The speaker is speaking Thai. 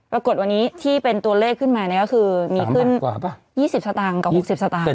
ปรากฏวันนี้ที่เป็นตัวเลขขึ้นมาก็คือมีขึ้นกว่า๒๐สตางค์กับ๖๐สตางค์